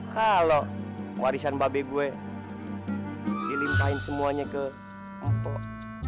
kalau warisan babi gue dilimpahin semuanya ke pokok